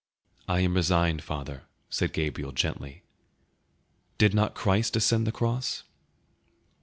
"I am resigned, father," said Gabriel gently; did not Christ ascend the cross?"